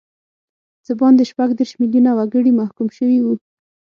څه باندې شپږ دیرش میلیونه وګړي محکوم شوي وو.